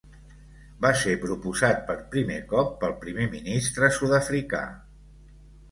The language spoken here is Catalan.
Va ser proposat per primer cop pel primer ministre sud-africà J.